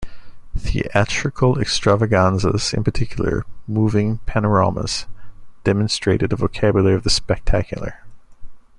Theatrical extravaganzas, in particular, moving panoramas, demonstrated a vocabulary of the spectacular.